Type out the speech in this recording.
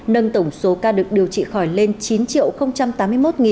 nâng tổng số ca được điều trị khỏi lên chín tám mươi một bốn trăm chín mươi bốn ca